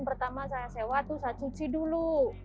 pertama saya sewa tuh saya cuci dulu